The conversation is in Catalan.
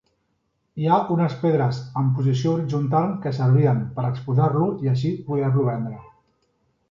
Hi ha unes pedres en posició horitzontal que servien per exposar-lo i així poder-lo vendre.